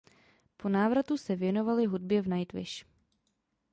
Po návratu se věnovali hudbě v Nightwish.